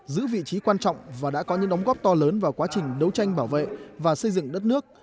giữ vị trí quan trọng và đã có những đóng góp to lớn vào quá trình đấu tranh bảo vệ và xây dựng đất nước